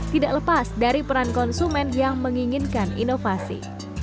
tidak lepas dari peran konsumen yang menginginkan inovasi